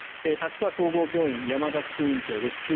立川相互病院、山田副院長です。